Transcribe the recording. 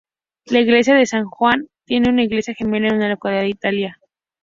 La iglesia de San Juan tiene una iglesia gemela en una localidad de Italia.